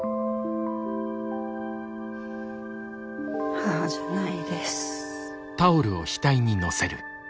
母じゃないです。